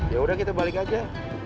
yaudah kita balik aja